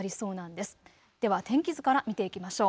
では天気図から見ていきましょう。